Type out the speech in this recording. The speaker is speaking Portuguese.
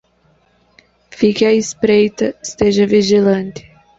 Fique à espreita, esteja vigilante